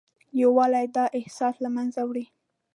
یووالی دا احساس له منځه وړي.